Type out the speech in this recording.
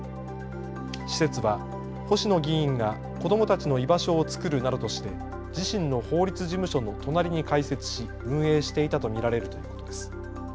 施設は星野議員が子どもたちの居場所を作るなどとして自身の法律事務所の隣に開設し運営していたと見られるということです。